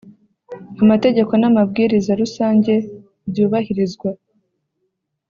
amategeko n amabwiriza rusange byubahirizwa